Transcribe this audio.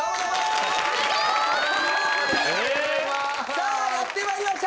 さあやって参りました。